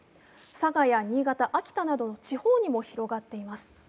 佐賀や新潟や秋田など地方にも広がっています。